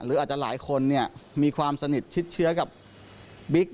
หรืออาจจะหลายคนมีความสนิทชิดเชื้อกับบิ๊ก